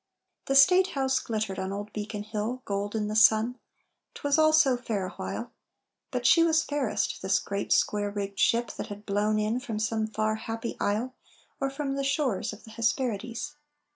The State House glittered on old Beacon Hill, Gold in the sun.... 'Twas all so fair awhile; But she was fairest this great square rigged ship That had blown in from some far happy isle Or from the shores of the Hesperides.